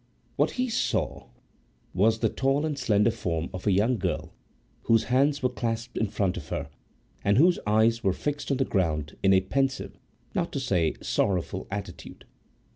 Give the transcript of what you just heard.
What he saw was the tall and slender form of a young girl whose hands were clasped in front of her, and whose eyes were fixed on the ground in a pensive, not to say sorrowful, attitude.